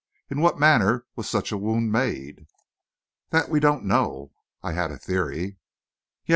In what manner was such a wound made?" "That we don't know. I had a theory...." "Yes?"